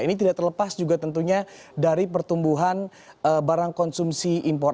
ini tidak terlepas juga tentunya dari pertumbuhan barang konsumsi impor